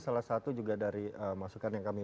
salah satu juga dari masukan yang kami